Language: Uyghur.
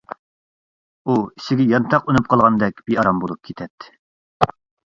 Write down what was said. ئۇ ئىچىگە يانتاق ئۈنۈپ قالغاندەك بىئارام بولۇپ كېتەتتى.